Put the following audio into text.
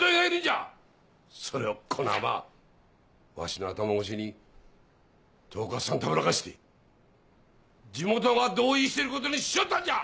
それをこのアマわしの頭越しに統括さんたぶらかして地元が同意してることにしおったんじゃ！